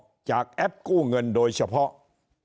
ถูกหลอกจากแอปปลอมกู้เงินโดยเฉพาะ